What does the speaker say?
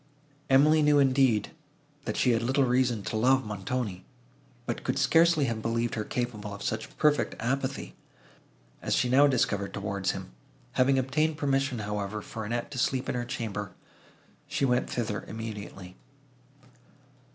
Emily knew indeed, that she had little reason to love Montoni, but could scarcely have believed her capable of such perfect apathy, as she now discovered towards him; having obtained permission, however, for Annette to sleep in her chamber, she went thither immediately.